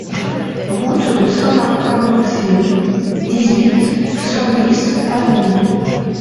Route de Saint-Martin d'Auxigny, dix-huit, cent dix Allogny